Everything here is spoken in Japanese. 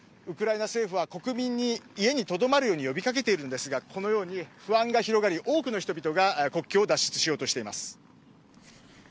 ウクライナ政府は国民に家にとどまるように呼び掛けていますがこのように不安が広がり多くの人々が国境を脱出しようとしています。